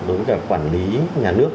đối với cả quản lý nhà nước